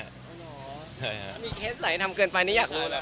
อ๋อมีเคสอะไรทำเกินไปนี่อยากรู้นะ